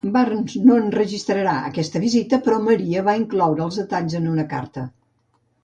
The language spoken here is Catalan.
Burns no enregistrà aquesta visita, però Maria va incloure els detalls en una carta.